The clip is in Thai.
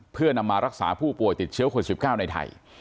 เพื่อนำมารักษาผู้ป่วยติดเชื้อโควิด๑๙ในไทย